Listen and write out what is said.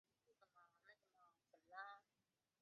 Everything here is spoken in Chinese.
此表显示地面数位电视的推出和结束类比电视的国家。